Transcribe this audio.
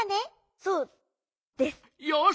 そうです！よし！